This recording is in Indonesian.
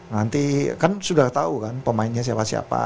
nanti kan sudah tahu kan pemainnya siapa siapa